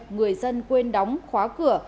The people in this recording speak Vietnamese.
người dân quên đóng khóa cửa